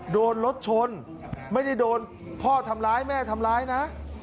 โดนรถชนไม่ได้โดนพ่อทำร้ายแม่ทำร้ายนะ